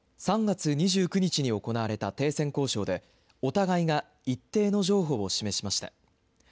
３月２９日に行われた停戦交渉でお互いが一定の譲歩を示しました。